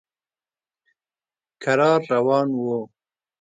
کرار روان و.